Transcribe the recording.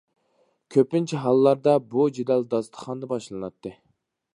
كۆپىنچە ھاللاردا بۇ جېدەل داستىخاندا باشلىناتتى.